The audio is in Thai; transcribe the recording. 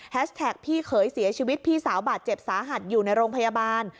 แท็กพี่เขยเสียชีวิตพี่สาวบาดเจ็บสาหัสอยู่ในโรงพยาบาล